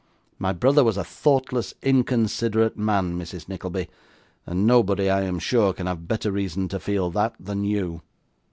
My brother was a thoughtless, inconsiderate man, Mrs. Nickleby, and nobody, I am sure, can have better reason to feel that, than you.